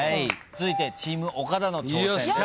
続いてチーム岡田の挑戦です。